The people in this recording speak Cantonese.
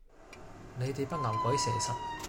你哋班牛鬼蛇神